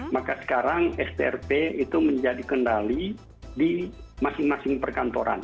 maka sekarang strp itu menjadi kendali di masing masing perkantoran